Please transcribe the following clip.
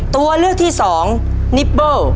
ตัวเลือกที่๒นิปเปอร์